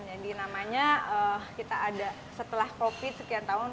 jadi namanya kita ada setelah covid sekian tahun